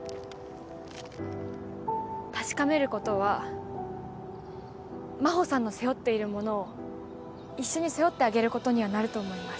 確かめることは真帆さんの背負っているものを一緒に背負ってあげることにはなると思います。